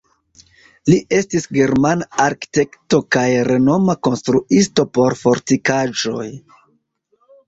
Li estis germana arkitekto kaj renoma konstruisto por fortikaĵoj.